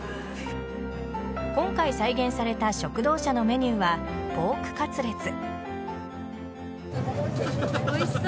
今回再現された食堂車のメニューはポークカツレツ。